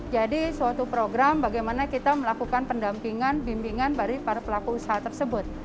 jadi suatu program bagaimana kita melakukan pendampingan bimbingan dari para pelaku usaha tersebut